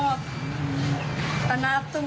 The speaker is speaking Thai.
ตอนนั้นตัวนี้เขาไม่รู้สึกตัวนะ